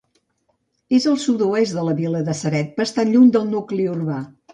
És al sud-oest de la vila de Ceret, bastant lluny del nucli urbà.